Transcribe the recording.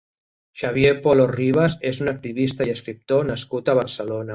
Xavier Polo Ribas és un activista i escriptor nascut a Barcelona.